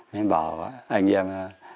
mình bảo anh em